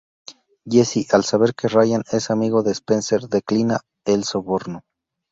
Jesse al saber que Ryan es amigo de Spencer declina el soborno.